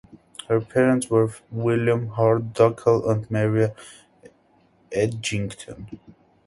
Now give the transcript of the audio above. Her parents were William Hardcastle and Maria Edgington.